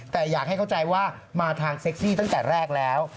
แต่อยากให้เข้าใจว่ามาทางเซ็กซี่ตั้งแต่แรกแล้ว